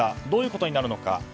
どういうことになるのか。